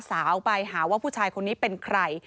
สาวไปหาว่าผู้ชายคนนี้เป็นใคร